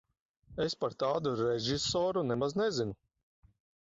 Es par tādu režisoru nemaz nezinu.